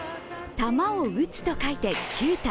球を打つと書いて、球打。